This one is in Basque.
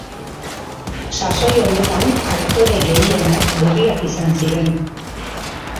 Sasoi honetan aktore gehienak berriak izan ziren.